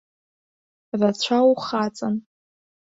Рацәа ухаҵан.